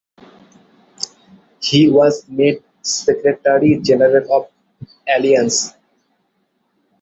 He was made Secretary General of the alliance.